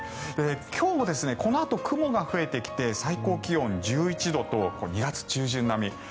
今日、このあと雲が増えてきて最高気温１１度と２月中旬並み。